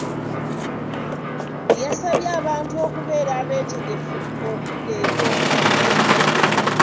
Yasabye abantu okubeera abeetegefu okudda eri Omukama